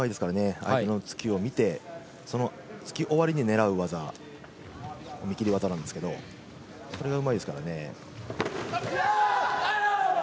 相手の突きを見て、その突き終わりに狙う技、見切り技なんですけれども、それがうまいですからね。